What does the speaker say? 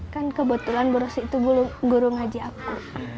kan kebetulan bu rosi itu guru ngaji aku